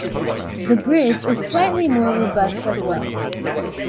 The bridge is slightly more robust as well.